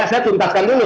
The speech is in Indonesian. saya tuntaskan dulu